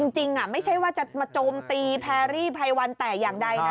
จริงไม่ใช่ว่าจะมาโจมตีแพรรี่ไพรวันแต่อย่างใดนะ